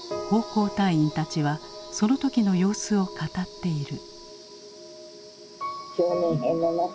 奉公隊員たちはその時の様子を語っている。